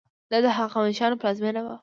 دا د هخامنشیانو پلازمینه وه.